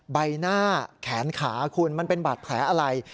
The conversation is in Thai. ใบหน้าแขนขาคุณมันเป็นบาดแผลอะไร